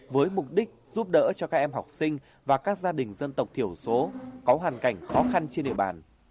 với mục đích giúp đỡ cho các em học sinh và các gia đình dân tộc thiểu số có hoàn cảnh khó khăn trên địa bàn